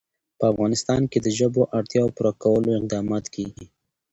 په افغانستان کې د ژبو اړتیاوو پوره کولو اقدامات کېږي.